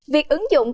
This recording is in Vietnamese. việc ứng dụng công ty